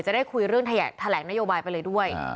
จะได้คุยเรื่องแถลงนโยบายไปเลยด้วย